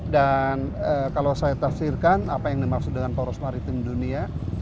dan kalau saya tafsirkan apa yang dimaksud dengan poros maritim dunia